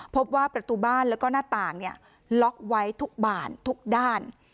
พบว่าประตูบ้านแล้วก็หน้าต่างล็อกไว้ทุกบ่านทุกด้าน